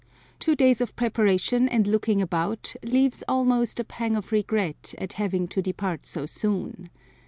Two days of preparation and looking about leaves almost a pang of regret at having to depart so soon.